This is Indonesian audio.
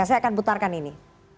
saya akan putarkan ini